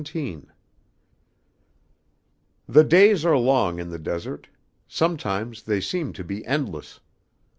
The days are long in the desert. Sometimes they seem to be endless.